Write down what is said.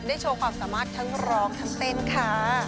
โชว์ความสามารถทั้งร้องทั้งเต้นค่ะ